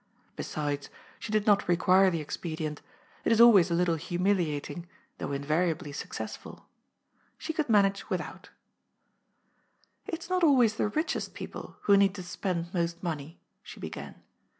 Besides, she did not require the expedient ; it is always a little humiliating, though invariably successful. She could manage without " It's not always the richest people who need to spend most money," she began.